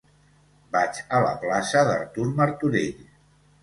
Vaig a la plaça d'Artur Martorell.